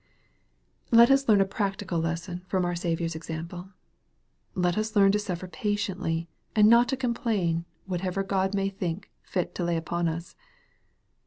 Let us learn a practical lesson from our Saviour's example. Let us learn to suffer patiently, and not to complain, whatever God may think fit to lay upon us.